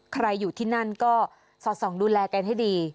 ใครอยู่ที่นั่นก็สอดส่องดูแลกันให้ดี